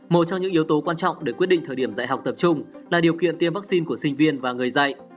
một trong những yếu tố quan trọng để quyết định thời điểm dạy học tập trung là điều kiện tiêm vaccine của sinh viên và người dạy